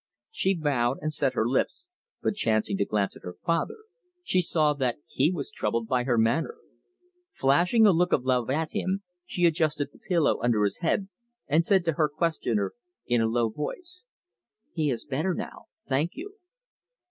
She bowed, and set her lips, but, chancing to glance at her father, she saw that he was troubled by her manner. Flashing a look of love at him, she adjusted the pillow under his head, and said to her questioner in a low voice: "He is better now, thank you."